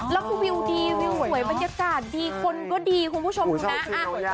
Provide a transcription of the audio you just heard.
แล้วคู่วิวดีสวยบรรยาชาติและคุณผู้ชมดี